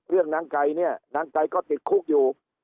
เรื่องนางกายเนี้ยนางกายก็ติดคุกอยู่